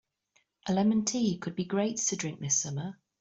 A lemon tea could be great to drink this summer.